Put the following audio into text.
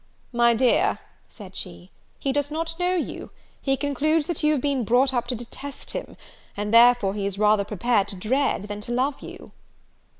"My dear," said she, "he does not know you: he concludes that you have been brought up to detest him; and therefore he is rather prepared to dread than to love you."